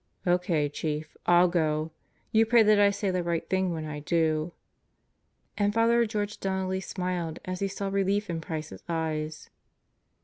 "Okay, Chief. I'll go. You pray that I say the right thing when I do." And Father George Donnelly smiled as he saw relief in Price's eyes.